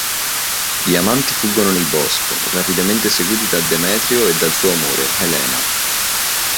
Gli amanti fuggono nel bosco, rapidamente seguiti da Demetrio e dal suo amore, Helena.